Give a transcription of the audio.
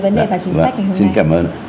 vâng xin cảm ơn ạ